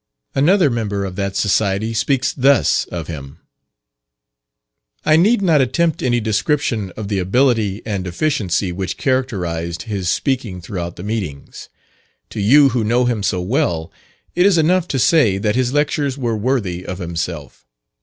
Another member of that Society speaks thus of him: "I need not attempt any description of the ability and efficiency which characterized his speaking throughout the meetings. To you who know him so well, it is enough to say that his lectures were worthy of himself.